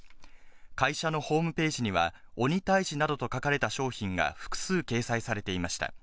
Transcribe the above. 会社のホームページには、鬼退治などと書かれた商品が複数掲載されていました。